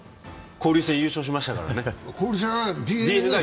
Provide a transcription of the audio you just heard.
交流戦、優勝しましたからね